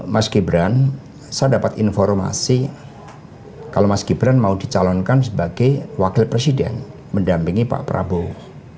mas gibran saya dapat informasi kalau mas gibran mau dicalonkan sebagai wakil presiden mendampingi pak prabowo